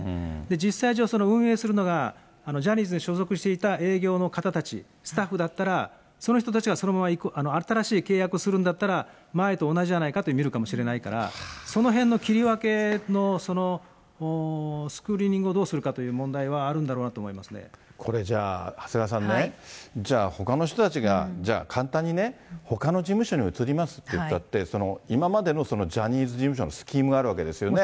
実際上その運営するのが、ジャニーズに所属していた営業の方たち、スタッフだったら、その人たちがそのまま新しい契約するんだったら、前と同じじゃないかと見るかもしれないから、そのへんの切り分けのスクリーニングをどうするのかという問題はこれじゃあ、長谷川さんね、じゃあ、ほかの人たちが、じゃあ、簡単にね、ほかの事務所に移りますっていったって、今までのジャニーズ事務所のスキームがあるわけですよね。